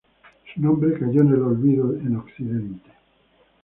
Su nombre cayó en el olvido en occidente.